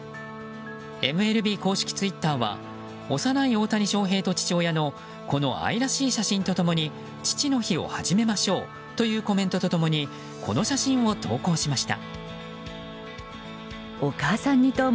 ＭＬＢ公式ツイッターは幼い大谷翔平と父親のこの愛らしい写真と共に父の日を始めましょうというコメントと共にこの写真を投稿しました。